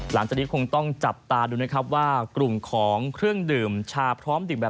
หลังจากนี้คงต้องจับตาดูนะครับว่ากลุ่มของเครื่องดื่มชาพร้อมดื่มแบบ